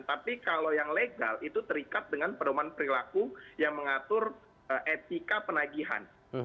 tapi kalau yang legal itu terikat dengan pedoman perilaku yang mengatur etika penagihan